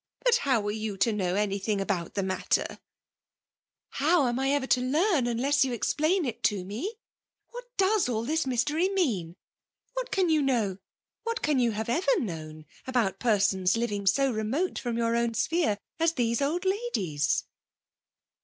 But how were you to know anything about the matter ?"*' How am I ever to learn, unless you ex plain it to me ? What does all this mystery mean 7 What can you know, — what can you have ever known, about persons living so re mote from your own sphere, as these old ladies